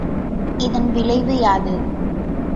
இதன் விளைவு யாது?